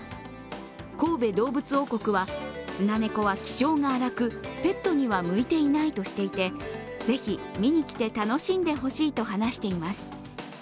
神戸どうぶつ王国は、スナネコは気性が荒くペットには向いていないとしていて、是非見に来て楽しんでほしいと話しています。